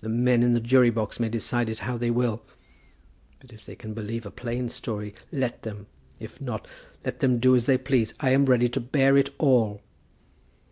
The men in the jury box may decide it how they will. If they can believe a plain story, let them! If not, let them do as they please. I am ready to bear it all."